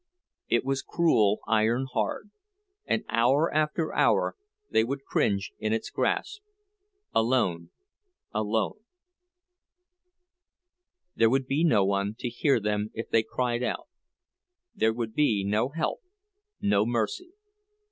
It was cruel iron hard; and hour after hour they would cringe in its grasp, alone, alone. There would be no one to hear them if they cried out; there would be no help, no mercy.